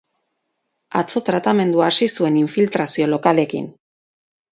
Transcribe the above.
Atzo tratamendua hasi zuen infiltrazio lokalekin.